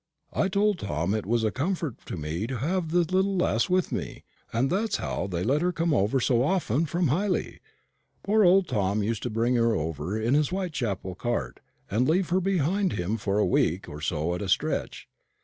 I told Tom it was a comfort to me to have the little lass with me, and that's how they let her come over so often from Hyley. Poor old Tom used to bring her over in his Whitechapel cart, and leave her behind him for a week or so at a stretch.